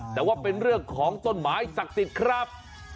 แต่ว่าเป็นเรื่องของต้นไม้ศักดิ์สิทธิ์ครับ